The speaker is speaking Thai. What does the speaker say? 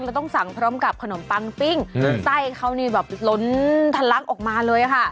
แล้วต้องสั่งพร้อมกับขนมปังปิ้งไส้เขานี่แบบล้นทะลักออกมาเลยค่ะ